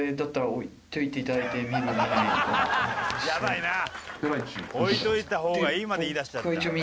「置いておいた方がいい」まで言いだしちゃった。